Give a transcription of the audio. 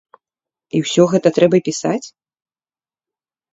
І ўсё гэта трэба пісаць?